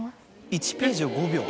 １ページを５秒？